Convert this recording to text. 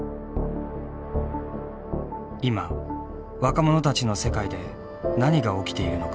今若者たちの世界で何が起きているのか。